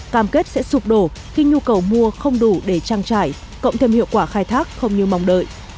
cam kết sẽ sụp đổ khi nhu cầu mua không đủ để trang trải cộng thêm hiệu quả khai thác không như mong đợi